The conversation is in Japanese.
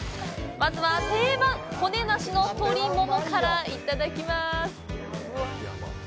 まずは定番、骨なしの鶏ももからいただきます。